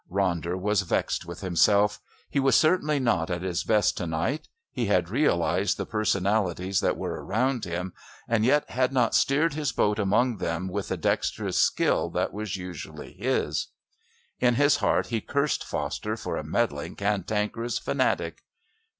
Ronder was vexed with himself. He was certainly not at his best to night. He had realised the personalities that were around him, and yet had not steered his boat among them with the dexterous skill that was usually his. In his heart he cursed Foster for a meddling, cantankerous fanatic.